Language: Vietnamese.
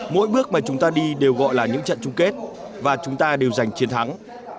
mỗi bước mà chúng ta đi đều gọi là những trận chung kết và chúng ta đều giành chiến thắng